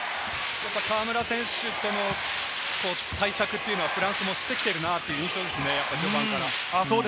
河村選手の対策というのはフランスもしてきているなという印象ですね、序盤から。